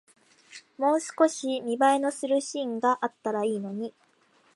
もう少し見栄えのするシーンがあったらいいのに